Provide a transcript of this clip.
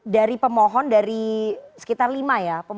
dari pemohon dari sekitar lima ya